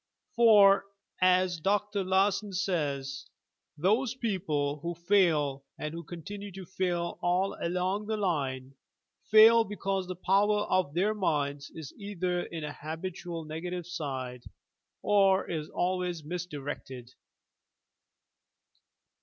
For, as Dr. Larson says "those people who fail and who continue to fail all along the line, fail because the power of their minds is either in a habitual negative state, or is al wa3^ misdirected.